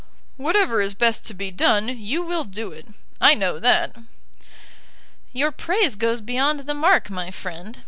"Whatever is best to be done, you will do it; I know that." "Your praise goes beyond the mark, my friend.